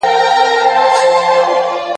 د نوي ښوونیز نظام له مخې ښوونکي څنګه ګمارل کیږي؟